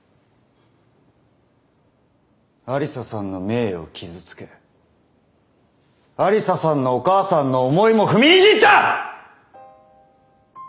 愛理沙さんの名誉を傷つけ愛理沙さんのお母さんの思いも踏みにじった！